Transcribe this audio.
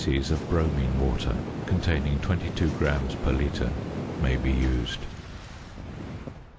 of bromine water (containing 22 grams per litre) may be used.